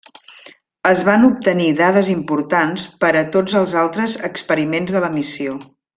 Es van obtenir dades importants per a tots els altres experiments de la missió.